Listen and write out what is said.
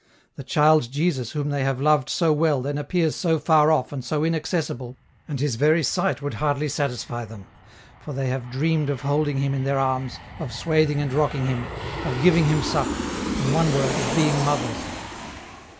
The child Jesus whom they have loved so well then appears so far off and so inaccessible, and His very sight would hardly satisfy them, for they have dreamed of holding Him in their arms, of swathing and rocking Him, of giving Him suck, in one word, of being mothers.